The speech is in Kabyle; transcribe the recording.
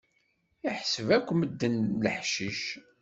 Iḥseb akk medden d leḥcic.